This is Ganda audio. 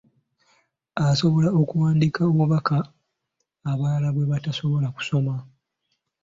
Asobola okuwandiika obubaka abalala bwe batasobola kusoma.